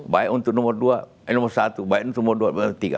baik untuk nomor satu baik untuk nomor dua baik untuk nomor tiga